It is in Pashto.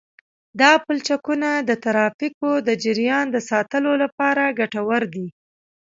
دا پلچکونه د ترافیکو د جریان د ساتلو لپاره ګټور دي